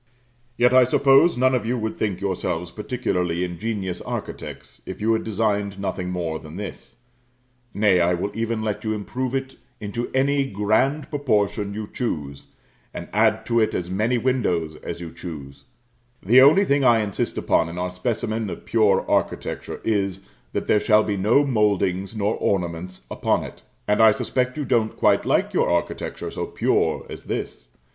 Yet I suppose none of you would think yourselves particularly ingenious architects if you had designed nothing more than this; nay, I will even let you improve it into any grand proportion you choose, and add to it as many windows as you choose; the only thing I insist upon in our specimen of pure architecture is, that there shall be no mouldings nor ornaments upon it. And I suspect you don't quite like your architecture so "pure" as this.